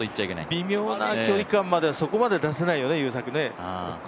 微妙な距離感までは、そこまでは出せないよね。